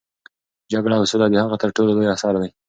جګړه او سوله د هغه تر ټولو لوی اثر دی.